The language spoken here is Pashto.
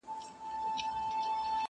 حقيقت ورو ورو ورکيږي دلته,